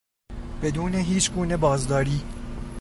بدون هیچگونه بازداری